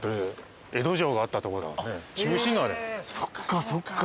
そっかそっか。